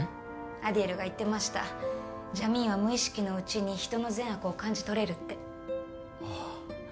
アディエルが言ってましたジャミーンは無意識のうちに人の善悪を感じ取れるってああ